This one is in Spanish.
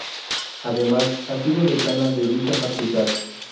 Además, ha sido decana de dicha facultad.